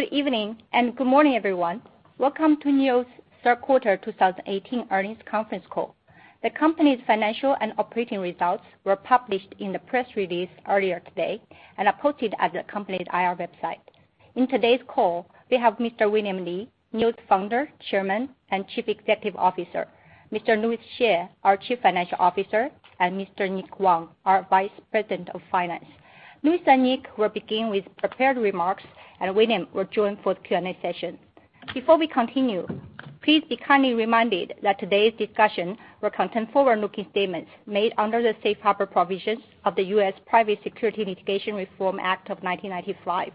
Good evening and good morning, everyone. Welcome to NIO's third quarter 2018 earnings conference call. The company's financial and operating results were published in the press release earlier today and are posted at the company's IR website. In today's call, we have Mr. William Li, NIO's Founder, Chairman, and Chief Executive Officer. Mr. Louis Hsieh, our Chief Financial Officer, and Mr. Nick Wang, our Vice President of Finance. Louis and Nick will begin with prepared remarks, and William will join for the Q&A session. Before we continue, please be kindly reminded that today's discussion will contain forward-looking statements made under the Safe Harbor provisions of the U.S. Private Securities Litigation Reform Act of 1995.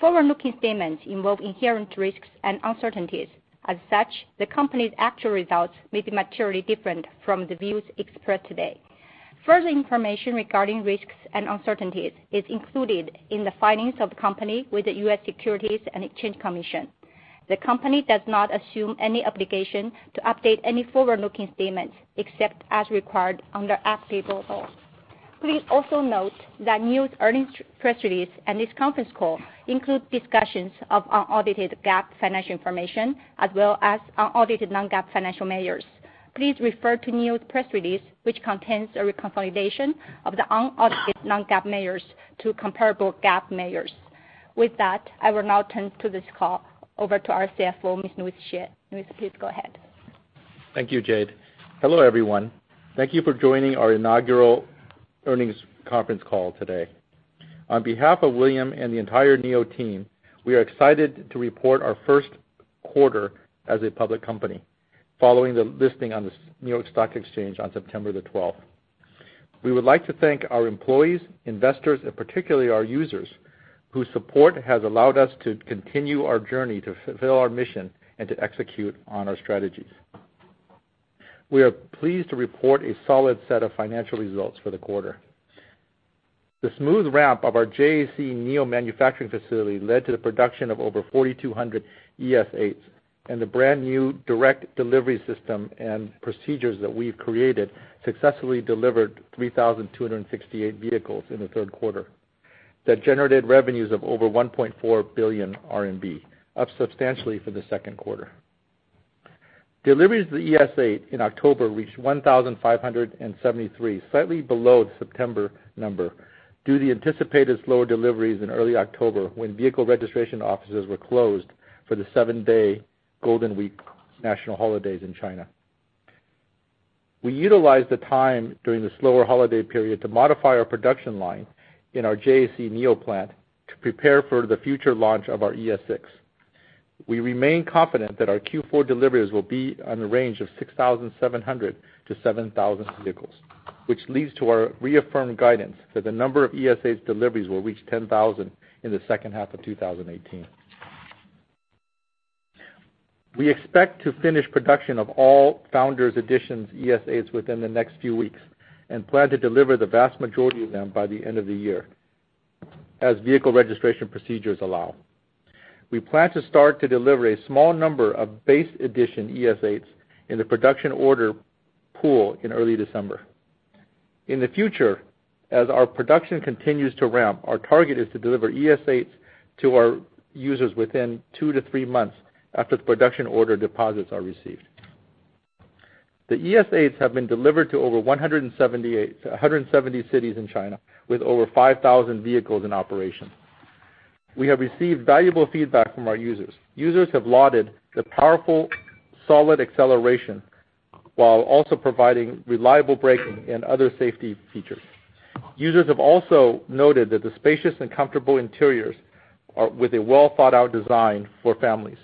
Forward-looking statements involve inherent risks and uncertainties. As such, the company's actual results may be materially different from the views expressed today. Further information regarding risks and uncertainties is included in the filings of the company with the U.S. Securities and Exchange Commission. The company does not assume any obligation to update any forward-looking statements except as required under applicable law. Please also note that NIO's earnings press release and this conference call include discussions of unaudited GAAP financial information, as well as unaudited non-GAAP financial measures. Please refer to NIO's press release, which contains a reconciliation of the unaudited non-GAAP measures to comparable GAAP measures. With that, I will now turn this call over to our CFO, Mr. Louis Hsieh. Louis, please go ahead. Thank you, Jade. Hello, everyone. Thank you for joining our inaugural earnings conference call today. On behalf of William and the entire NIO team, we are excited to report our first quarter as a public company, following the listing on the New York Stock Exchange on September 12th. We would like to thank our employees, investors, and particularly our users, whose support has allowed us to continue our journey to fulfill our mission and to execute on our strategies. We are pleased to report a solid set of financial results for the quarter. The smooth ramp of our JAC-NIO manufacturing facility led to the production of over 4,200 ES8s. The brand-new direct delivery system and procedures that we've created successfully delivered 3,268 vehicles in the third quarter. That generated revenues of over 1.4 billion RMB, up substantially for the second quarter. Deliveries of the ES8 in October reached 1,573, slightly below the September number due to the anticipated slower deliveries in early October when vehicle registration offices were closed for the seven-day Golden Week national holidays in China. We utilized the time during the slower holiday period to modify our production line in our JAC-NIO plant to prepare for the future launch of our ES6. We remain confident that our Q4 deliveries will be in the range of 6,700-7,000 vehicles, which leads to our reaffirmed guidance that the number of ES8 deliveries will reach 10,000 in the second half of 2018. We expect to finish production of all Founders Editions ES8s within the next few weeks and plan to deliver the vast majority of them by the end of the year, as vehicle registration procedures allow. We plan to start to deliver a small number of base edition ES8s in the production order pool in early December. In the future, as our production continues to ramp, our target is to deliver ES8s to our users within two to three months after the production order deposits are received. The ES8s have been delivered to over 170 cities in China, with over 5,000 vehicles in operation. We have received valuable feedback from our users. Users have lauded the powerful, solid acceleration while also providing reliable braking and other safety features. Users have also noted the spacious and comfortable interiors with a well-thought-out design for families.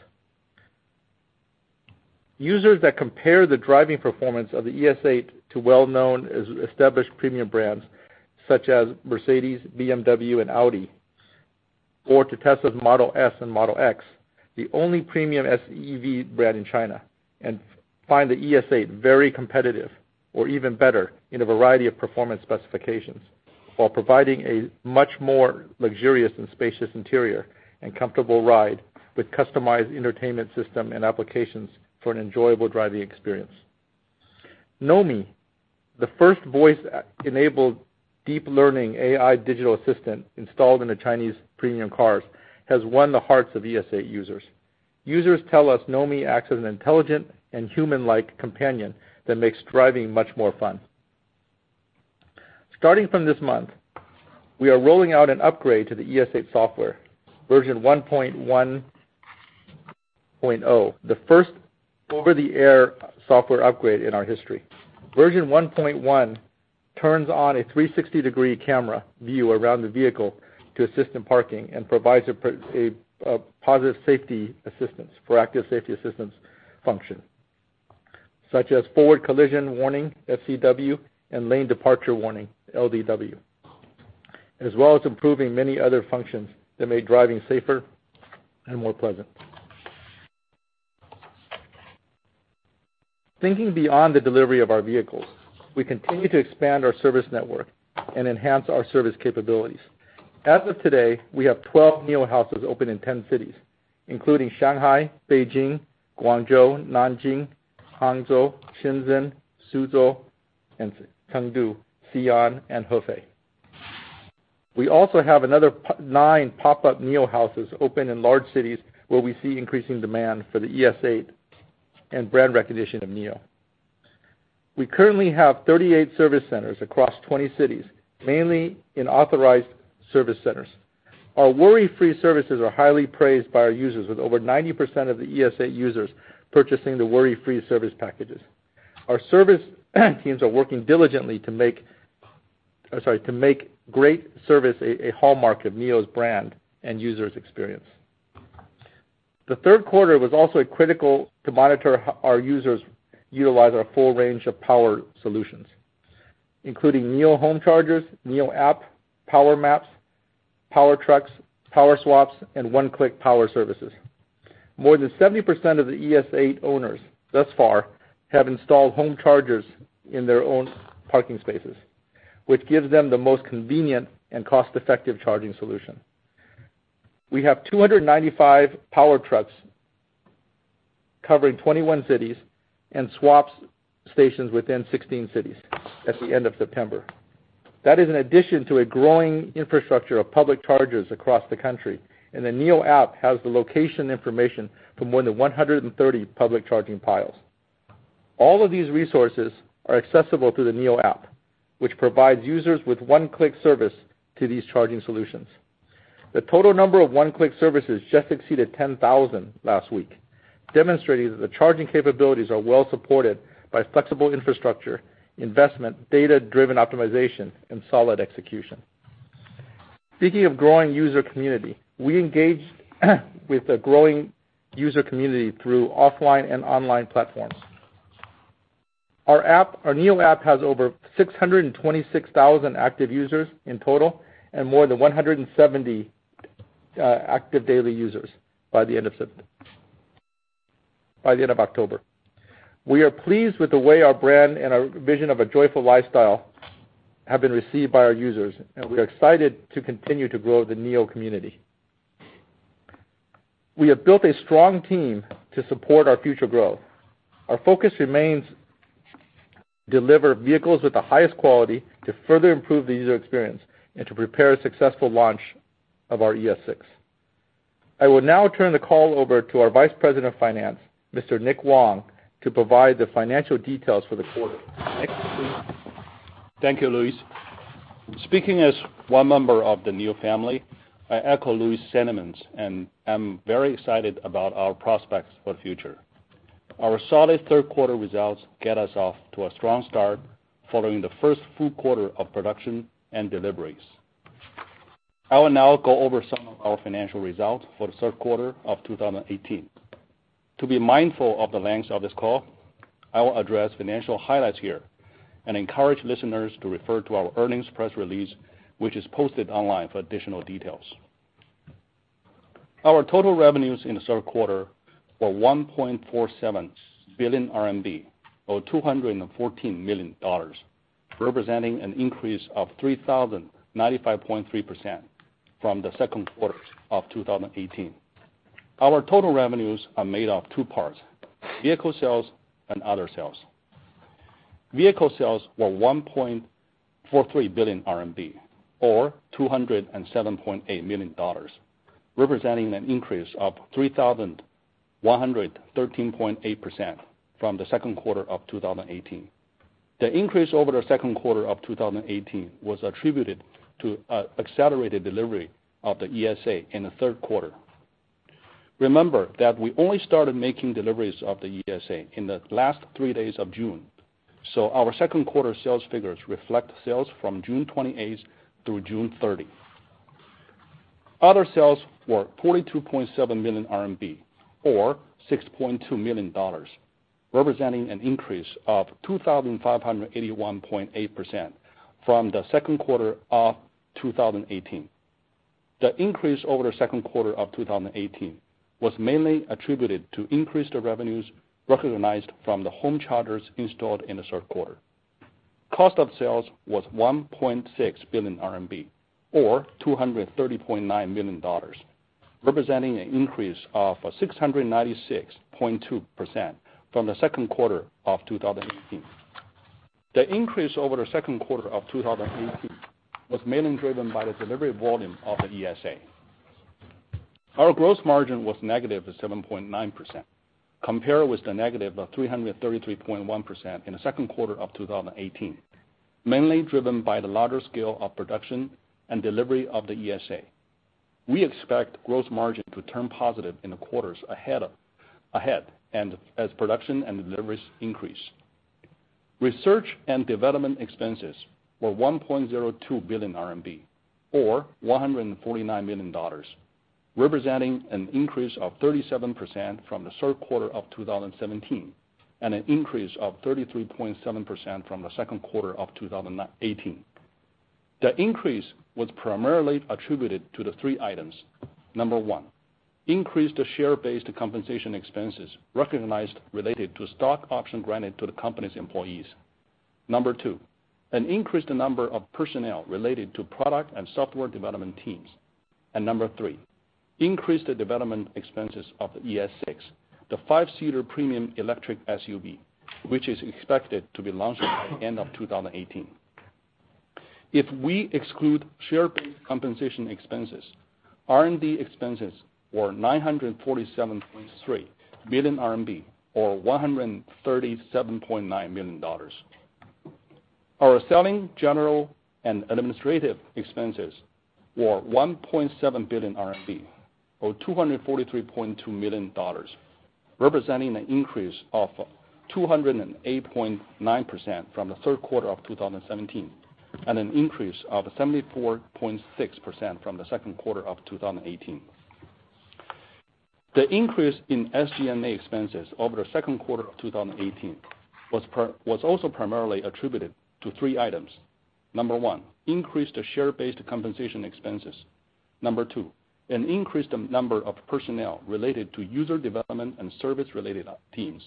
Users that compare the driving performance of the ES8 to well-known established premium brands such as Mercedes-Benz, BMW, and Audi, or to Tesla's Model S and Model X, the only premium SUV brand in China, and find the ES8 very competitive or even better in a variety of performance specifications while providing a much more luxurious and spacious interior and comfortable ride with customized entertainment system and applications for an enjoyable driving experience. NOMI, the first voice-enabled deep learning AI digital assistant installed in the Chinese premium cars, has won the hearts of ES8 users. Users tell us NOMI acts as an intelligent and human-like companion that makes driving much more fun. Starting from this month, we are rolling out an upgrade to the ES8 software, version 1.1.0, the first over-the-air software upgrade in our history. Version 1.1 turns on a 360-degree camera view around the vehicle to assist in parking and provides a positive safety assistance, proactive safety assistance function, such as forward collision warning, FCW, and lane departure warning, LDW, as well as improving many other functions that make driving safer and more pleasant. Thinking beyond the delivery of our vehicles, we continue to expand our service network and enhance our service capabilities. As of today, we have 12 NIO Houses open in 10 cities, including Shanghai, Beijing, Guangzhou, Nanjing, Hangzhou, Shenzhen, Suzhou, Chengdu, Xi'an, and Hefei. We also have another nine pop-up NIO Houses open in large cities where we see increasing demand for the ES8 and brand recognition of NIO. We currently have 38 service centers across 20 cities, mainly in authorized service centers. Our worry-free services are highly praised by our users, with over 90% of the ES8 users purchasing the worry-free service packages. Our service teams are working diligently to make great service a hallmark of NIO's brand and users experience. The third quarter was also critical to monitor our users utilize our full range of power solutions, including NIO home chargers, NIO App, Power Map, power trucks, Power Swap, and One Click for Power services. More than 70% of the ES8 owners thus far have installed home chargers in their own parking spaces, which gives them the most convenient and cost-effective charging solution. We have 295 power trucks covering 21 cities and Power Swap Stations within 16 cities at the end of September. That is an addition to a growing infrastructure of public chargers across the country, and the NIO App has the location information for more than 130 public charging piles. All of these resources are accessible through the NIO App, which provides users with OneClick service to these charging solutions. The total number of OneClick services just exceeded 10,000 last week, demonstrating that the charging capabilities are well supported by flexible infrastructure, investment, data-driven optimization, and solid execution. Speaking of growing user community, we engaged with the growing user community through offline and online platforms. Our NIO App has over 626,000 active users in total and more than 170 active daily users by the end of October. We are pleased with the way our brand and our vision of a joyful lifestyle have been received by our users, and we are excited to continue to grow the NIO community. We have built a strong team to support our future growth. Our focus remains deliver vehicles with the highest quality to further improve the user experience and to prepare a successful launch of our ES6. I will now turn the call over to our Vice President of Finance, Mr. Nick Wang, to provide the financial details for the quarter. Nick, please. Thank you, Louis. Speaking as one member of the NIO family, I echo Louis' sentiments and am very excited about our prospects for the future. Our solid third quarter results get us off to a strong start following the first full quarter of production and deliveries. I will now go over some of our financial results for the third quarter of 2018. To be mindful of the length of this call, I will address financial highlights here and encourage listeners to refer to our earnings press release, which is posted online for additional details. Our total revenues in the third quarter were 1.47 billion RMB, or $214 million, representing an increase of 3,095.3% from the second quarter of 2018. Our total revenues are made of two parts, vehicle sales and other sales. Vehicle sales were 1.43 billion RMB, or $207.8 million, representing an increase of 3,113.8% from the second quarter of 2018. The increase over the second quarter of 2018 was attributed to accelerated delivery of the ES8 in the third quarter. Remember that we only started making deliveries of the ES8 in the last three days of June, so our second quarter sales figures reflect sales from June 28th through June 30th. Other sales were 42.7 million RMB, or $6.2 million, representing an increase of 2,581.8% from the second quarter of 2018. The increase over the second quarter of 2018 was mainly attributed to increased revenues recognized from the home chargers installed in the third quarter. Cost of sales was 1.6 billion RMB, or $230.9 million, representing an increase of 696.2% from the second quarter of 2018. The increase over the second quarter of 2018 was mainly driven by the delivery volume of the ES8. Our gross margin was -7.9%, compared with the -333.1% in the second quarter of 2018, mainly driven by the larger scale of production and delivery of the ES8. We expect gross margin to turn positive in the quarters ahead as production and deliveries increase. Research and development expenses were 1.02 billion RMB, or $149 million, representing an increase of 37% from the third quarter of 2017 and an increase of 33.7% from the second quarter of 2018. The increase was primarily attributed to the three items. Number one, increased share-based compensation expenses recognized related to stock options granted to the company's employees. Number two, an increased number of personnel related to product and software development teams. Number three, Increase the development expenses of the ES6, the five-seater premium electric SUV, which is expected to be launched by the end of 2018. If we exclude share-based compensation expenses, R&D expenses were 947.3 million RMB, or $137.9 million. Our selling, general, and administrative expenses were 1.7 billion RMB, or $243.2 million, representing an increase of 208.9% from the third quarter of 2017, and an increase of 74.6% from the second quarter of 2018. The increase in SG&A expenses over the second quarter of 2018 was also primarily attributed to three items. Number one, increase to share-based compensation expenses. Number two, an increased number of personnel related to user development and service-related teams.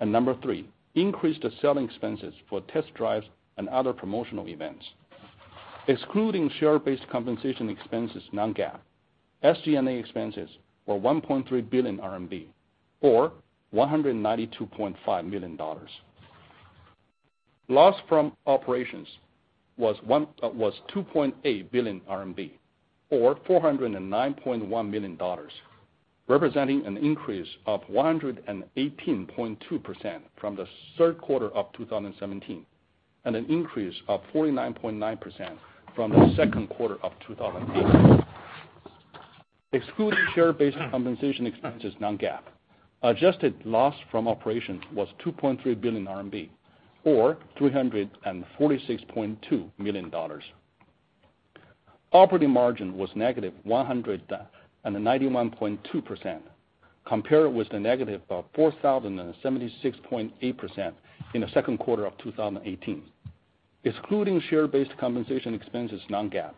Number three, increased selling expenses for test drives and other promotional events. Excluding share-based compensation expenses non-GAAP, SG&A expenses were 1.3 billion RMB, or $192.5 million. Loss from operations was 2.8 billion RMB, or $409.1 million, representing an increase of 118.2% from the third quarter of 2017, and an increase of 49.9% from the second quarter of 2018. Excluding share-based compensation expenses non-GAAP, adjusted loss from operations was 2.3 billion RMB, or $346.2 million. Operating margin was negative 191.2%, compared with the negative 4,076.8% in the second quarter of 2018. Excluding share-based compensation expenses non-GAAP,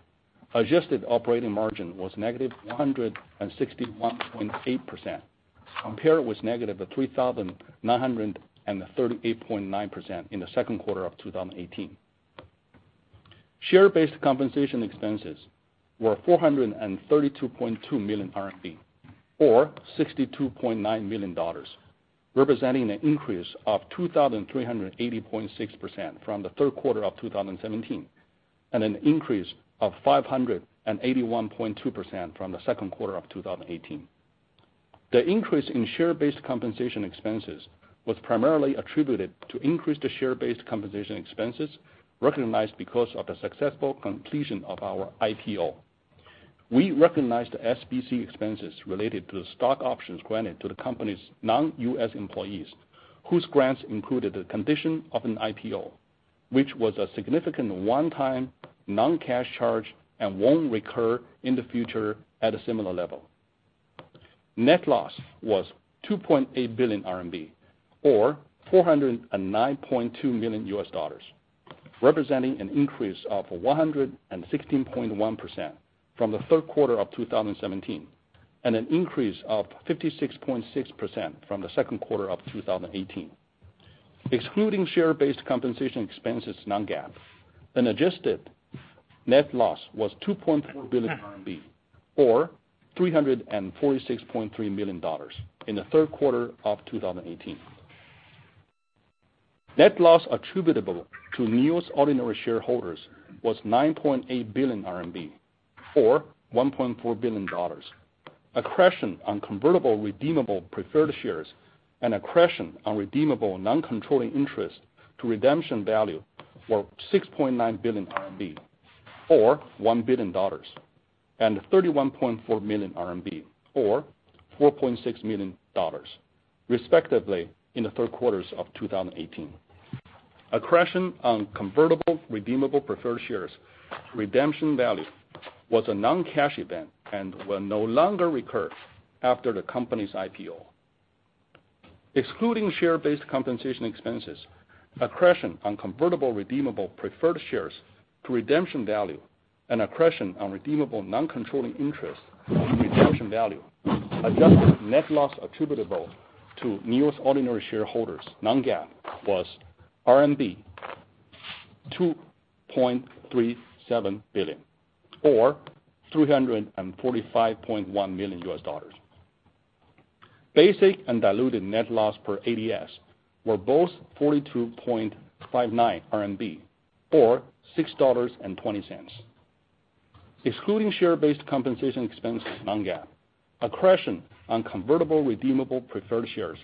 adjusted operating margin was negative 161.8%, compared with negative 3938.9% in the second quarter of 2018. Share-based compensation expenses were 432.2 million RMB, or $62.9 million, representing an increase of 2380.6% from the third quarter of 2017, and an increase of 581.2% from the second quarter of 2018. The increase in share-based compensation expenses was primarily attributed to increased share-based compensation expenses recognized because of the successful completion of our IPO. We recognized SBC expenses related to the stock options granted to the company's non-U.S. employees, whose grants included the condition of an IPO, which was a significant one-time non-cash charge and won't recur in the future at a similar level. Net loss was 2.8 billion RMB, or $409.2 million, representing an increase of 116.1% from the third quarter of 2017, and an increase of 56.6% from the second quarter of 2018. Excluding share-based compensation expenses non-GAAP, the adjusted net loss was 2.4 billion RMB, or $346.3 million in the third quarter of 2018. Net loss attributable to NIO's ordinary shareholders was 9.8 billion RMB, or $1.4 billion. Accretion on convertible redeemable preferred shares and accretion on redeemable non-controlling interest to redemption value were 6.9 billion RMB, or $1 billion, and 31.4 million RMB, or $4.6 million, respectively in the third quarter of 2018. Accretion on convertible redeemable preferred shares redemption value was a non-cash event and will no longer recur after the company's IPO. Excluding share-based compensation expenses, accretion on convertible redeemable preferred shares to redemption value and accretion on redeemable non-controlling interest to redemption value, adjusted net loss attributable to NIO's ordinary shareholders non-GAAP was RMB 2.37 billion, or $345.1 million. Basic and diluted net loss per ADS were both 42.59 RMB, or $6.20. Excluding share-based compensation expenses non-GAAP, accretion on convertible redeemable preferred shares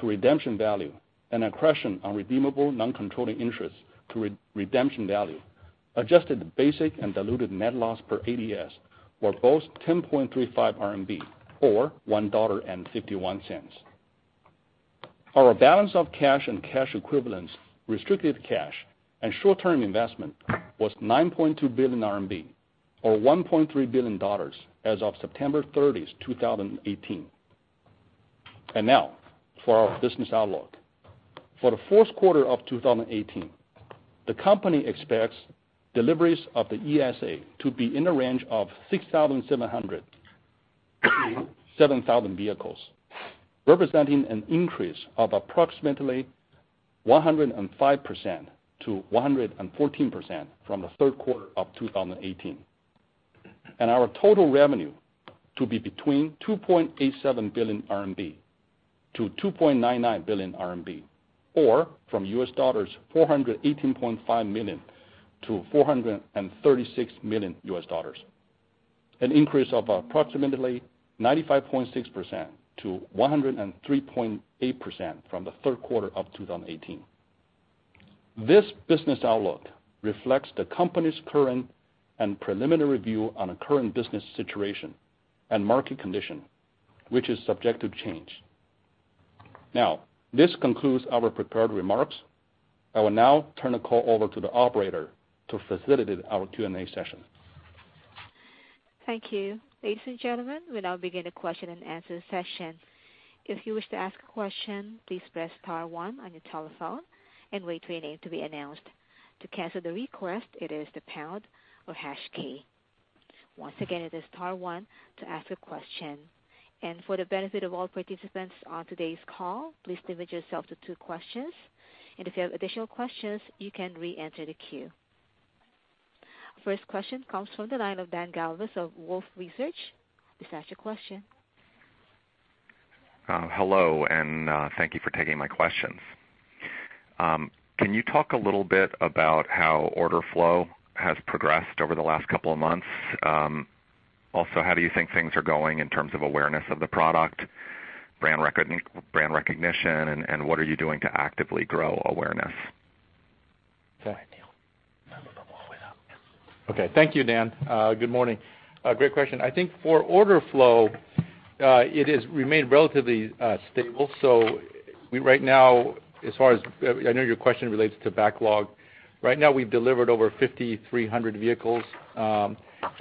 to redemption value and accretion on redeemable non-controlling interests to redemption value, adjusted basic and diluted net loss per ADS were both 10.35 RMB, or $1.51. Our balance of cash and cash equivalents, restricted cash, and short-term investment was 9.2 billion RMB, or $1.3 billion as of September 30th, 2018. Now for our business outlook. For the fourth quarter of 2018, the company expects deliveries of the ES8 to be in the range of 6,700 to 7,000 vehicles. Representing an increase of approximately 105%-114% from the third quarter of 2018. Our total revenue to be between 2.87 billion-2.99 billion RMB, or from $418.5 million-$436 million. An increase of approximately 95.6%-103.8% from the third quarter of 2018. This business outlook reflects the company's current and preliminary view on the current business situation and market condition, which is subject to change. Now, this concludes our prepared remarks. I will now turn the call over to the operator to facilitate our Q&A session. Thank you. Ladies and gentlemen, we will now begin the question and answer session. If you wish to ask a question, please press star one on your telephone and wait for your name to be announced. To cancel the request, it is the pound or hash key. Once again, it is star one to ask a question. For the benefit of all participants on today's call, please limit yourself to two questions, and if you have additional questions, you can re-enter the queue. First question comes from the line of Dan Galves of Wolfe Research. Please ask your question. Hello, thank you for taking my questions. Can you talk a little bit about how order flow has progressed over the last couple of months? How do you think things are going in terms of awareness of the product, brand recognition, and what are you doing to actively grow awareness? Go ahead, Nick. Okay. Thank you, Dan. Good morning. Great question. I think for order flow, it has remained relatively stable. I know your question relates to backlog. Right now we've delivered over 5,300 vehicles,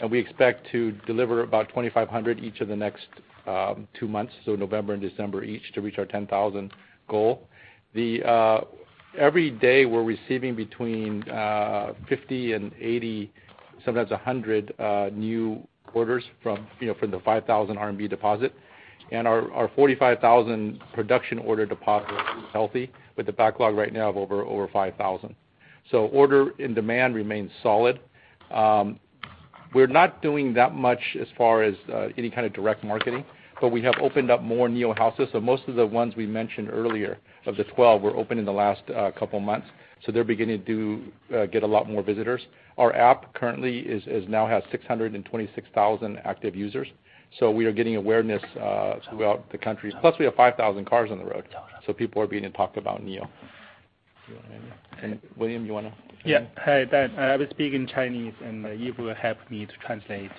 and we expect to deliver about 2,500 each of the next two months, so November and December each, to reach our 10,000 goal. Every day we're receiving between 50 and 80, sometimes 100, new orders from the 5,000 RMB deposit. Our 45,000 production order deposit is healthy, with a backlog right now of over 5,000. Order and demand remains solid. We're not doing that much as far as any kind of direct marketing, but we have opened up more NIO Houses. Most of the ones we mentioned earlier, of the 12, were opened in the last couple of months. They're beginning to get a lot more visitors. Our app currently now has 626,000 active users. We are getting awareness throughout the country. Plus, we have 5,000 cars on the road, so people are beginning to talk about NIO. William. Hi, Dan. I will speak in Chinese, and Eve will help me to translate.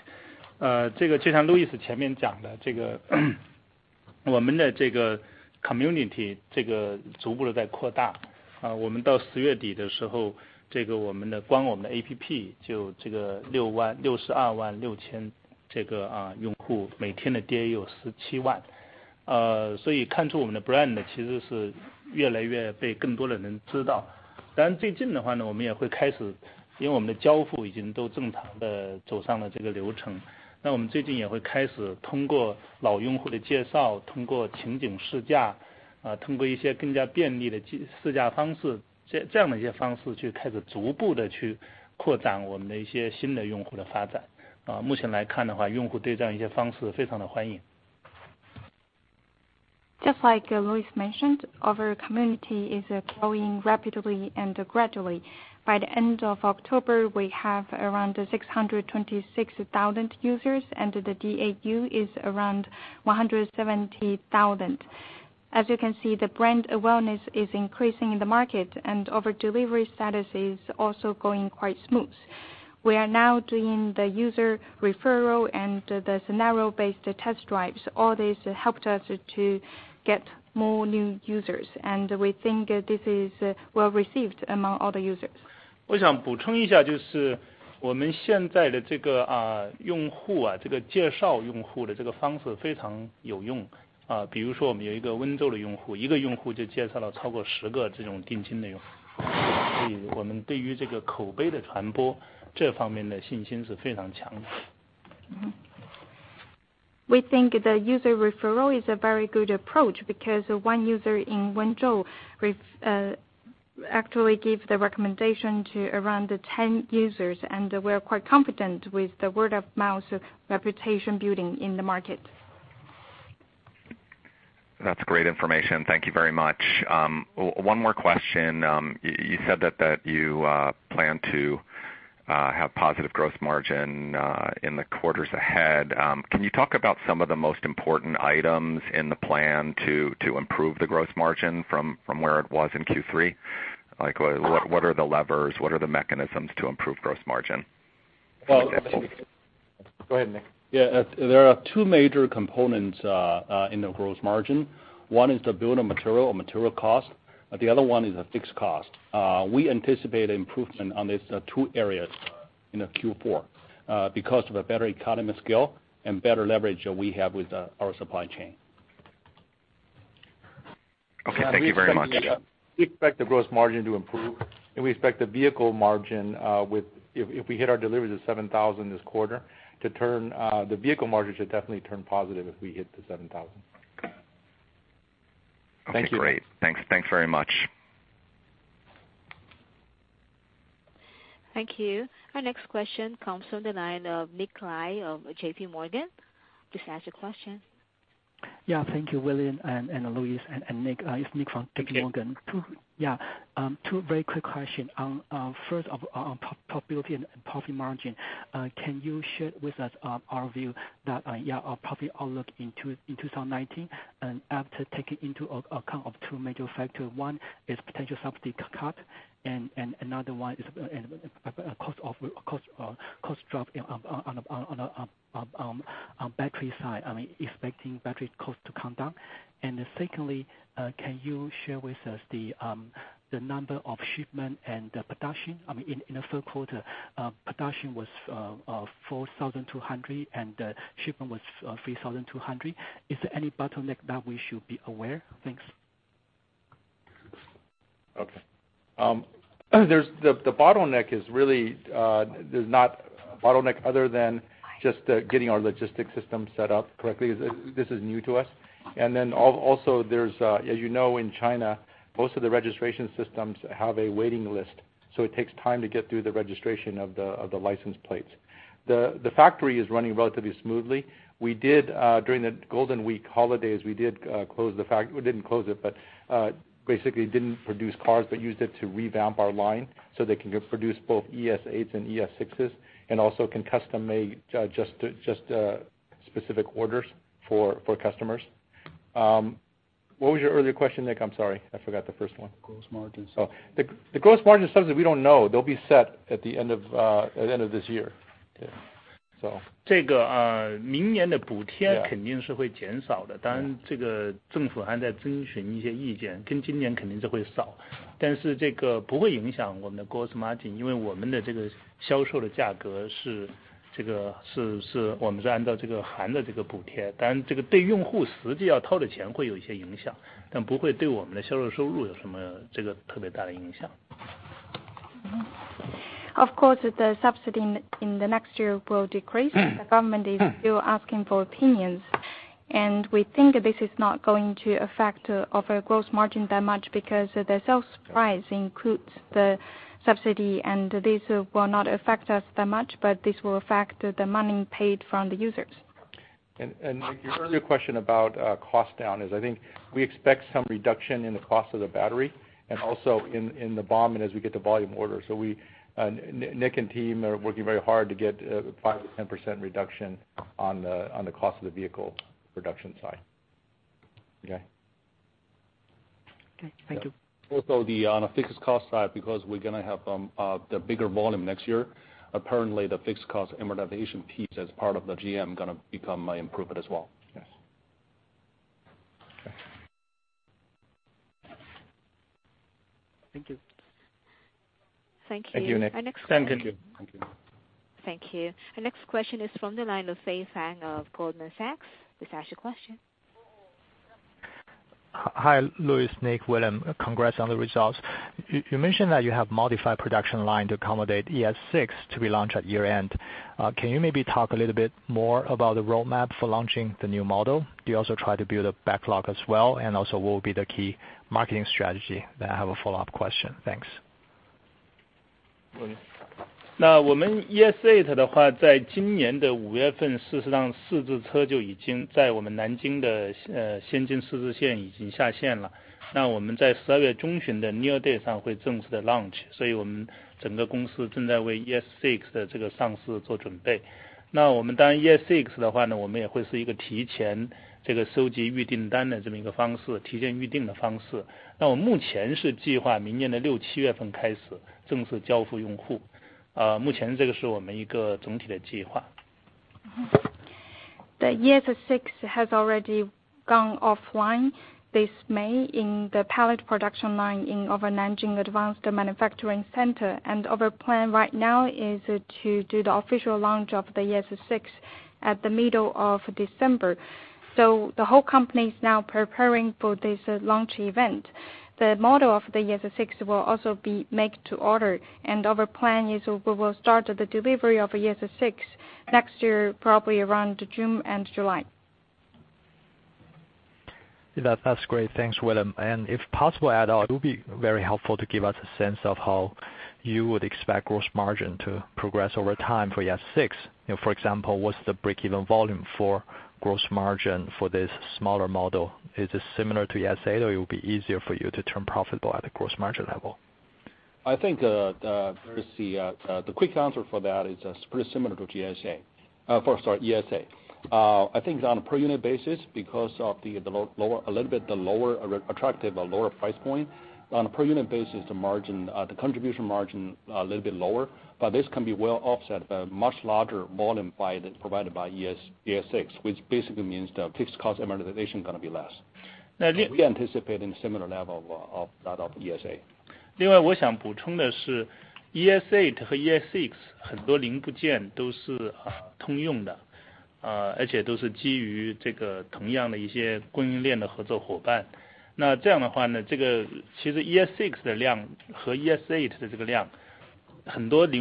Just like Louis mentioned, our community is growing rapidly and gradually. By the end of October, we have around 626,000 users, and the DAU is around 170,000. As you can see, the brand awareness is increasing in the market, and our delivery status is also going quite smooth. We are now doing the user referral and the scenario-based test drives. All this helped us to get more new users. We think this is well-received among all the users. We think the user referral is a very good approach because one user in Wenzhou actually gave the recommendation to around 10 users, and we're quite confident with the word of mouth reputation building in the market. That's great information. Thank you very much. One more question. You said that you plan to have positive gross margin, in the quarters ahead. Can you talk about some of the most important items in the plan to improve the gross margin from where it was in Q3? Like, what are the levers? What are the mechanisms to improve gross margin? Any examples. Go ahead, Nick. Yeah. There are two major components in the gross margin. One is the bill of material or material cost, and the other one is the fixed cost. We anticipate improvement on these two areas in Q4 because of the better economy scale and better leverage that we have with our supply chain. Okay, thank you very much. We expect the gross margin to improve, and we expect the vehicle margin, if we hit our deliveries of 7,000 this quarter, the vehicle margin should definitely turn positive if we hit the 7,000. Okay. Thank you. Great. Thanks very much. Thank you. Our next question comes from the line of Nick Lai of JPMorgan. Please ask your question. Thank you, William and Louis and Nick. It's Nick from JPMorgan. Two very quick questions. First, on profitability and profit margin, can you share with us our view that our profit outlook in 2019 after taking into account of two major factors? One is potential subsidy cut, and another one is cost drop on battery side, expecting battery cost to come down. Secondly, can you share with us the number of shipment and the production? In the third quarter, production was 4,200 and the shipment was 3,200. Is there any bottleneck that we should be aware? Thanks. Okay. The bottleneck is really, there is not bottleneck other than just getting our logistics system set up correctly, as this is new to us. Also, as you know, in China, most of the registration systems have a waiting list, so it takes time to get through the registration of the license plates. The factory is running relatively smoothly. During the Golden Week holidays, we didn't close it, but basically didn't produce cars, but used it to revamp our line so they can produce both ES8s and ES6s, and also can custom-make just specific orders for customers. What was your earlier question, Nick? I'm sorry. I forgot the first one. Gross margin. The gross margin subsidy, we don't know. They'll be set at the end of this year. Okay. So Of course, the subsidy in the next year will decrease as the government is still asking for opinions. We think this is not going to affect our gross margin that much because the sales price includes the subsidy, and this will not affect us that much. This will affect the money paid from the users. Nick, your earlier question about cost down is, I think we expect some reduction in the cost of the battery and also in the BOM as we get the volume order. Nick and team are working very hard to get 5%-10% reduction on the cost of the vehicle production side. Okay? Okay. Thank you. Also on a fixed cost side, because we're going to have the bigger volume next year, apparently the fixed cost amortization piece as part of the GM going to become improved as well. Yes. Okay. Thank you. Thank you. Thank you, Nick. Our next- Thank you. Thank you. Thank you. Our next question is from the line of Fei Fang of Goldman Sachs. Please ask your question. Hi, Louis, Nick, William. Congrats on the results. You mentioned that you have modified production line to accommodate ES6 to be launched at year-end. Can you maybe talk a little bit more about the roadmap for launching the new model? Do you also try to build a backlog as well, and also what will be the key marketing strategy? I have a follow-up question. Thanks. William. The ES6 has already gone offline this May in the pilot production line of our Nanjing advanced manufacturing center. Our plan right now is to do the official launch of the ES6 at the middle of December. The whole company is now preparing for this launch event. The model of the ES6 will also be made to order, and our plan is we will start the delivery of ES6 next year, probably around June and July. That's great. Thanks, William. If possible at all, it would be very helpful to give us a sense of how you would expect gross margin to progress over time for ES6. For example, what's the break-even volume for gross margin for this smaller model? Is it similar to ES8, or it will be easier for you to turn profitable at a gross margin level? I think the quick answer for that is pretty similar to ES8. I think on a per unit basis, because of a little bit attractive lower price point, on a per unit basis, the contribution margin a little bit lower. This can be well offset by much larger volume provided by ES6, which basically means the fixed cost amortization going to be less. We anticipate in similar level of that of ES8. 另外我想补充的是，ES8和ES6很多零部件都是通用的，而且都是基于同样的一些供应链的合作伙伴。这样的话，其实ES6的量和ES8的量，很多零部件加到一起，量都会上来，这样对于我们提高两辆车的毛利率都是有好处的。I'd like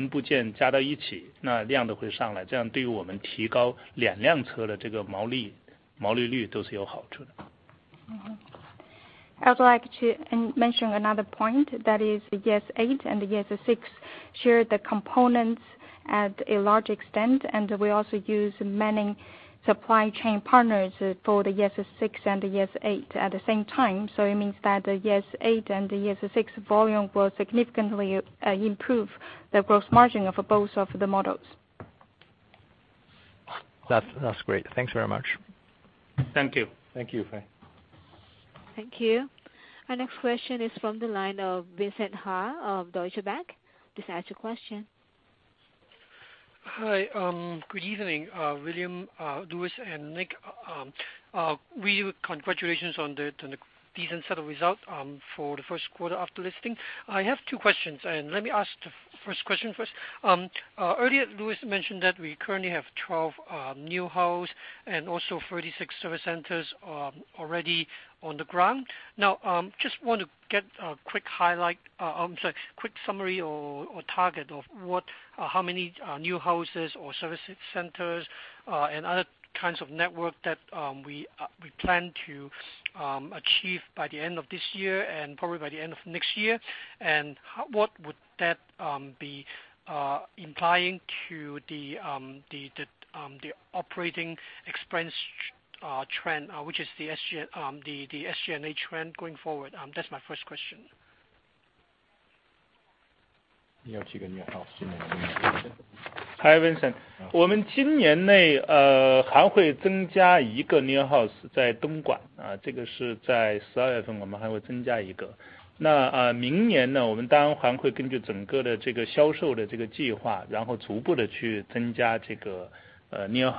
to mention another point that is ES8 and ES6 share the components at a large extent. We also use many supply chain partners for the ES6 and ES8 at the same time. It means that the ES8 and the ES6 volume will significantly improve the gross margin of both of the models. That's great. Thanks very much. Thank you. Thank you. Thank you. Our next question is from the line of Vincent Ha of Deutsche Bank. Please ask your question. Hi, good evening, William, Louis and Nick. Really congratulations on the decent set of results for the first quarter after listing. I have two questions. Let me ask the first question first. Earlier Louis mentioned that we currently have 12 NIO Houses and also 36 service centers already on the ground. Just want to get a quick summary or target of how many NIO Houses or service centers and other kinds of network that we plan to achieve by the end of this year and probably by the end of next year. What would that be implying to the operating expense trend, which is the SG&A trend going forward? That's my first question. 你要几个NIO Houses？ Hi Vincent，我们今年内还会增加一个NIO House，在东莞。这个是在12月份，我们还会增加一个。明年我们当然还会根据整个的销售计划，逐步地去增加NIO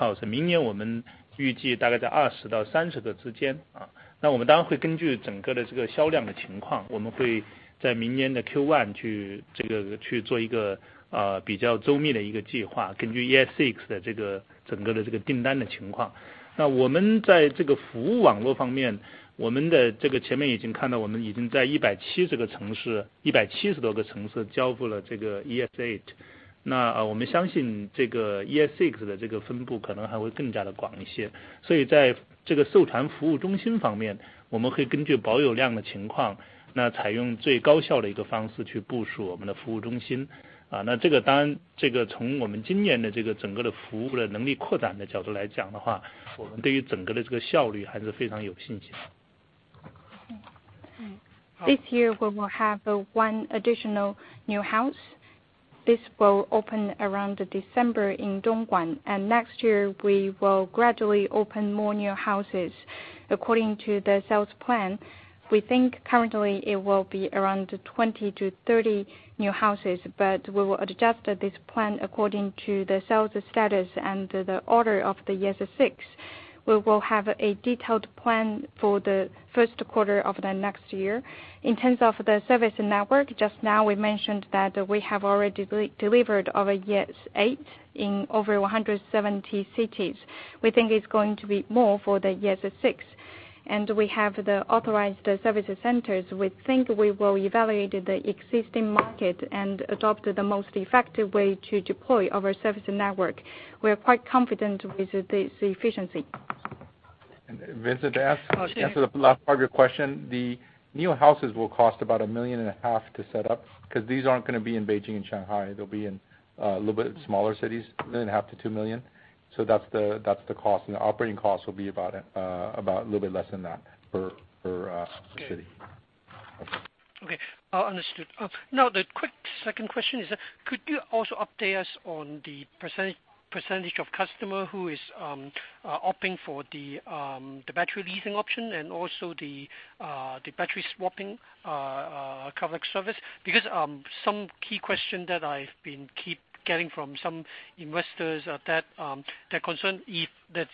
House。明年我们预计大概在20到30个之间。我们当然会根据整个的销量情况，我们在明年的Q1去做一个比较周密的一个计划，根据ES6整个的订单情况。我们在这个服务网络方面，前面已经看到，我们已经在170多个城市交付了ES8。我们相信ES6的分布可能还会更加广一些。所以在授权服务中心方面，我们会根据保有量情况，采用最高效的一个方式去部署我们的服务中心。当然，从我们今年整个的服务能力扩展的角度来讲的话，我们对于整个的效率还是非常有信心的。This year we will have one additional NIO House. This will open around December in Dongguan. Next year we will gradually open more NIO Houses. According to the sales plan, we think currently it will be around 20 to 30 NIO Houses, but we will adjust this plan according to the sales status and the order of the ES6. We will have a detailed plan for the first quarter of the next year. In terms of the service network, just now we mentioned that we have already delivered over ES8 in over 170 cities. We think it's going to be more for the ES6. We have the authorized service centers. We think we will evaluate the existing market and adopt the most effective way to deploy our service network. We are quite confident with this efficiency. Vincent, to answer the last part of your question, the NIO Houses will cost about a million and a half to set up, because these aren't going to be in Beijing and Shanghai, they'll be in a little bit smaller cities, million and a half to 2 million. That's the cost, and the operating cost will be about a little bit less than that per city. Okay, understood. The quick second question is, could you also update us on the percentage of customer who is opting for the battery leasing option and also the battery swapping service? Some key question that I keep getting from some investors that they're concerned if the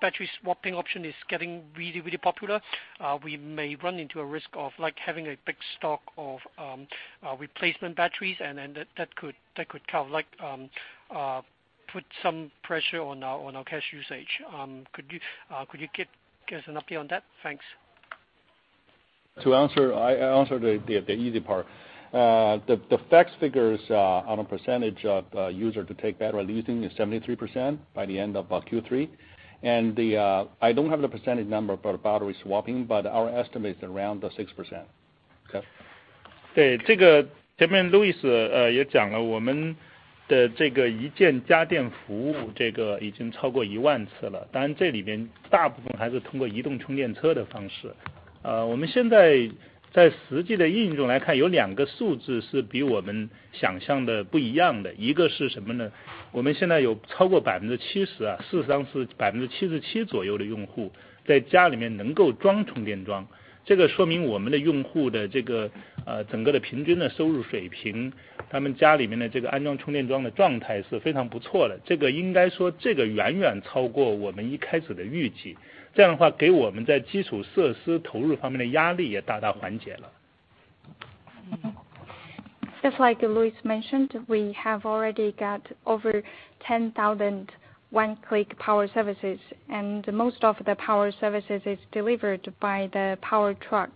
battery swapping option is getting really popular, we may run into a risk of having a big stock of replacement batteries and that could put some pressure on our cash usage. Could you give us an update on that? Thanks. I answer the easy part. The fact, figures on a percentage of users to take battery leasing is 73% by the end of Q3. I don't have the percentage number for battery swapping, but our estimate is around 6%. Okay. Just like Louis mentioned, we have already got over 10,000 One Click for Power services, most of the power services is delivered by the power truck.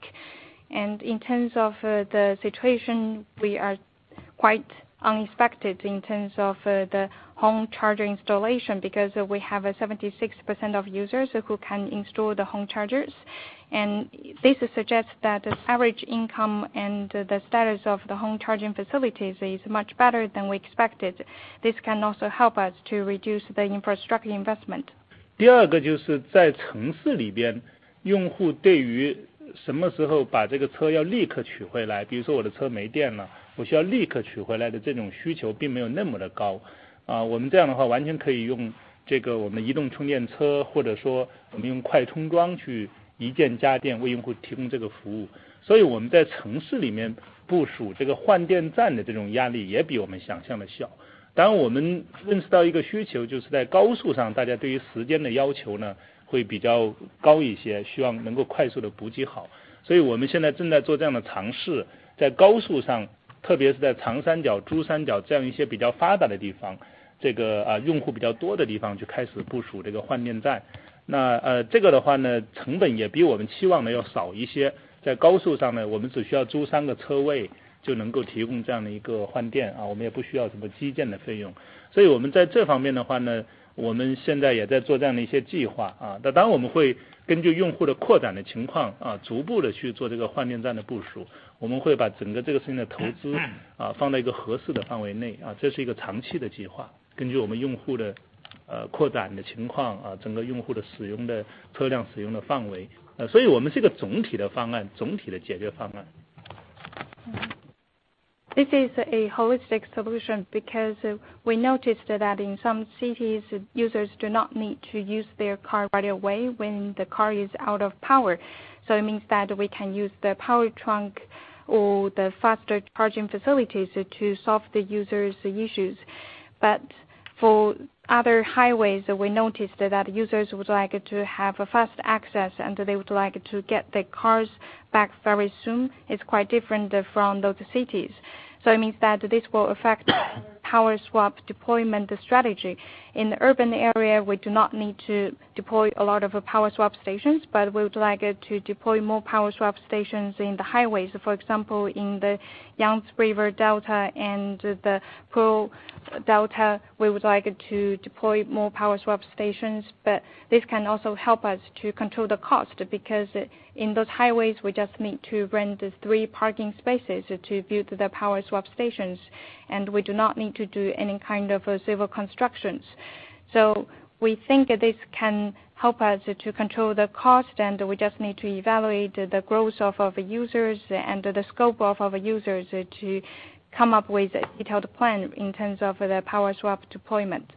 In terms of the situation, we are quite unexpected in terms of the home charger installation, because we have a 76% of users who can install the home chargers. This suggests that the average income and the status of the home charging facilities is much better than we expected. This can also help us to reduce the infrastructure investment. This is a holistic solution because we noticed that in some cities, users do not need to use their car right away when the car is out of power. It means that we can use the power trunk or the faster charging facilities to solve the user's issues. For other highways, we noticed that users would like to have a fast access, they would like to get the cars back very soon. It's quite different from those cities. It means that this will affect Power Swap deployment strategy. In urban area, we do not need to deploy a lot of Power Swap stations, but we would like to deploy more Power Swap stations in the highways. For example, in the Yangtze River Delta and the Pearl River Delta, we would like to deploy more Power Swap stations. This can also help us to control the cost, because in those highways, we just need to rent the 3 parking spaces to build the Power Swap stations, we do not need to do any kind of civil constructions. We think this can help us to control the cost, we just need to evaluate the growth of our users and the scope of our users to come up with a detailed plan in terms of the Power Swap deployment.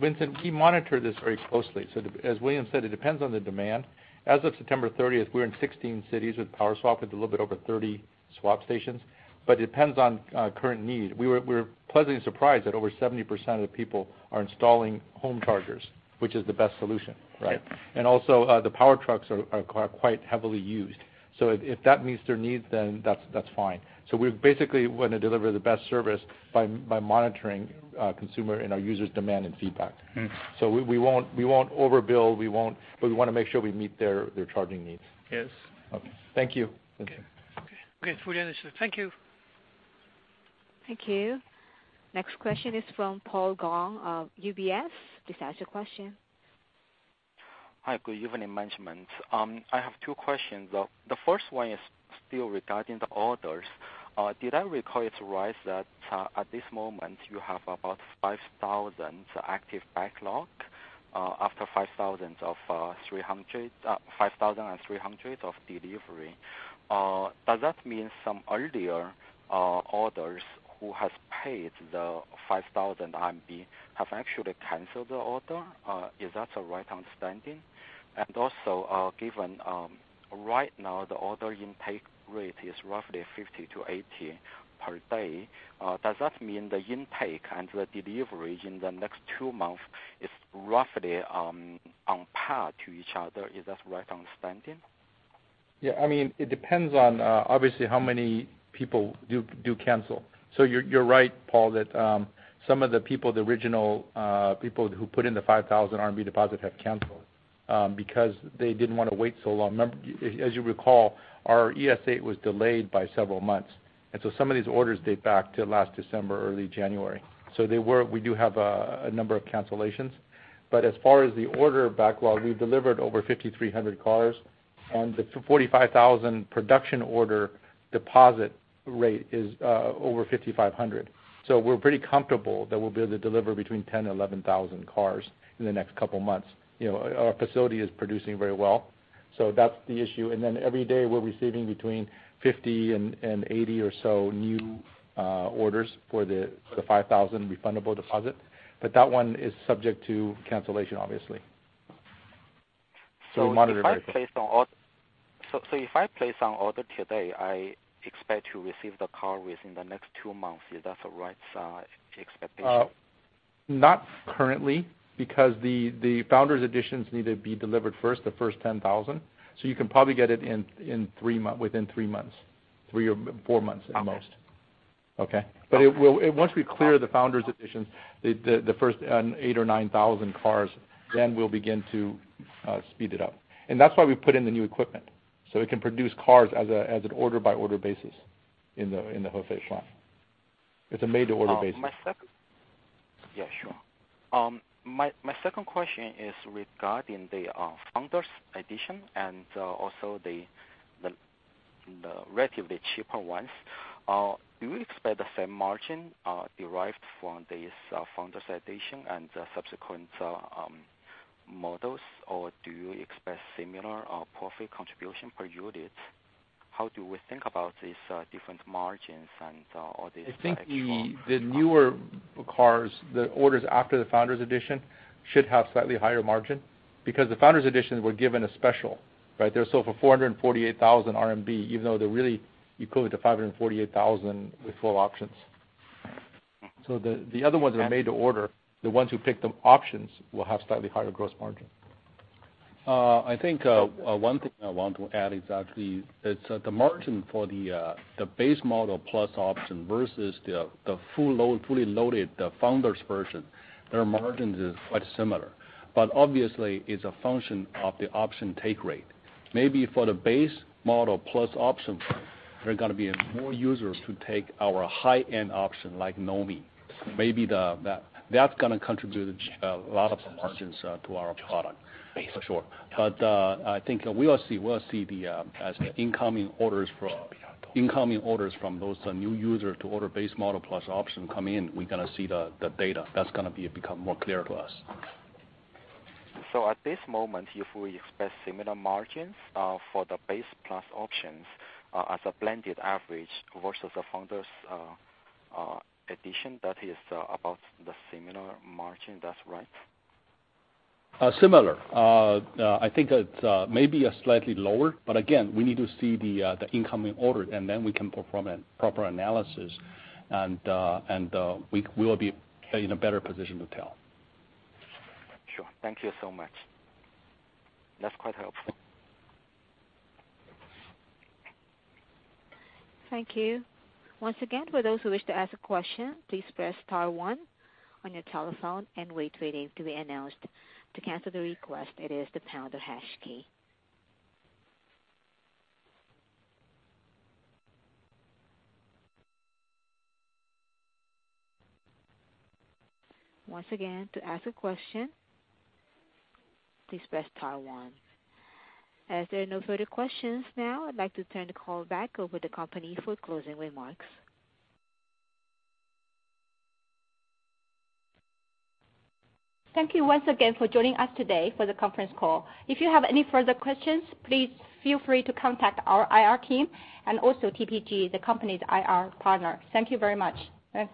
Vincent, we monitor this very closely. As William said, it depends on the demand. As of September 30th, we're in 16 cities with Power Swap, with a little bit over 30 swap stations, but it depends on current need. We were pleasantly surprised that over 70% of the people are installing home chargers, which is the best solution, right? Yes. Also, the power trucks are quite heavily used. If that meets their needs, that's fine. We basically want to deliver the best service by monitoring consumer and our users' demand and feedback. We won't overbill. We want to make sure we meet their charging needs. Yes. Okay. Thank you, Vincent. Okay. Okay. Thank you. Thank you. Next question is from Paul Gong of UBS to ask a question. Hi. Good evening, management. I have two questions. The first one is still regarding the orders. Did I recall it right that, at this moment, you have about 5,000 active backlog, after 5,300 of delivery? Does that mean some earlier orders who has paid the 5,000 RMB have actually canceled the order? Is that a right understanding? Also, given right now the order intake rate is roughly 50 to 80 per day, does that mean the intake and the delivery in the next two months is roughly on par to each other? Is that the right understanding? Yeah. It depends on, obviously, how many people do cancel. You're right, Paul, that some of the original people who put in the 5,000 RMB deposit have canceled because they didn't want to wait so long. As you recall, our ES8 was delayed by several months, some of these orders date back to last December, early January. We do have a number of cancellations. As far as the order backlog, we've delivered over 5,300 cars. The 45,000 production order deposit rate is over 5,500. We're pretty comfortable that we'll be able to deliver between 10,000 and 11,000 cars in the next couple of months. Our facility is producing very well. That's the issue. Every day, we're receiving between 50 and 80 or so new orders for the 5,000 refundable deposit. That one is subject to cancellation, obviously. We monitor very closely. If I place an order today, I expect to receive the car within the next two months. Is that the right expectation? Not currently, because the Founders Edition need to be delivered first, the first 10,000. You can probably get it within three months. Three or four months at most. Okay. Okay? Once we clear the Founders Edition, the first 8,000 or 9,000 cars, then we'll begin to speed it up. That's why we put in the new equipment, so we can produce cars as an order-by-order basis in the Hefei plant. It's a made-to-order basis. Yeah, sure. My second question is regarding the Founders Edition and also the relatively cheaper ones. Do you expect the same margin derived from this Founders Edition and the subsequent models, or do you expect similar profit contribution per unit? How do we think about these different margins? I think the newer cars, the orders after the Founders Edition should have slightly higher margin because the Founders Editions were given a special, right? They're sold for 448,000 RMB, even though they're really equivalent to 548,000 with full options. The other ones are made to order. The ones who pick the options will have slightly higher gross margin. I think one thing I want to add is that the margin for the base model plus option versus the fully loaded Founders Edition, their margins is quite similar. Obviously, it's a function of the option take rate. Maybe for the base model plus option, there are going to be more users to take our high-end option like NOMI. Maybe that's going to contribute a lot of the margins to our product for sure. I think we'll see as the incoming orders from those new user to order base model plus option come in, we're going to see the data. That's going to become more clear to us. At this moment, if we expect similar margins for the base plus options as a blended average versus the Founders Edition, that is about the similar margin, that's right? Similar. I think it may be slightly lower, but again, we need to see the incoming order, and then we can perform a proper analysis, and we will be in a better position to tell. Sure. Thank you so much. That's quite helpful. Thank you. Once again, for those who wish to ask a question, please press star one on your telephone and wait for your name to be announced. To cancel the request, it is the pound or hash key. Once again, to ask a question, please press star one. As there are no further questions now, I'd like to turn the call back over to the company for closing remarks. Thank you once again for joining us today for the conference call. If you have any further questions, please feel free to contact our IR team and also TPG, the company's IR partner. Thank you very much. Thanks.